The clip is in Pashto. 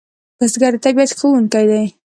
بزګر د طبیعت ښوونکی دی